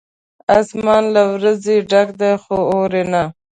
اسمان له وریځو ډک دی ، خو اوري نه